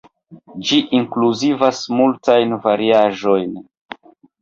Ĝi inkluzivas multajn variaĵojn.